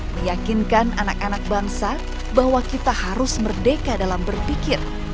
meyakinkan anak anak bangsa bahwa kita harus merdeka dalam berpikir